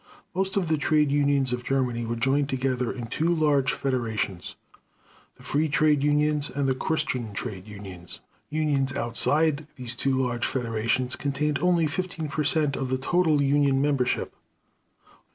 Most of the trade unions of Germany were joined together in two large federations, the "Free Trade Unions" and the "Christian Trade Unions." Unions outside these two large federations contained only 15 percent of the total union membership.